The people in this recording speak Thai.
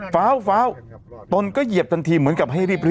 ฟ้าวตนก็เหยียบทันทีเหมือนกับให้รีบ